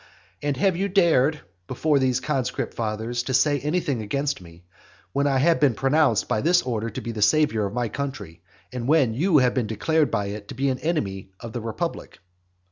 And have you dared, before these conscript fathers, to say anything against me, when I have been pronounced by this order to be the saviour of my country, and when you have been declared by it to be an enemy of the republic?